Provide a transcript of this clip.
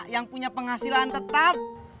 yang punya penghasilan tetap